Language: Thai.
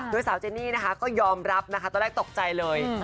โดยเสาเจนี่ก็ยอมรับตอนแรกตกใจเลย